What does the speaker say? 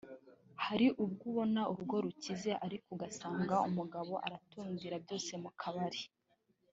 Hari ubwo ubona urugo rukize ariko ugasanga umugabo aratundira byose mu kabari